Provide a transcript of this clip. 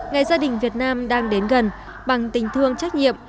ngày gia đình việt nam đang đến gần bằng tình thương trách nhiệm